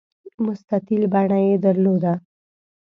مستطیل بڼه یې درلوده.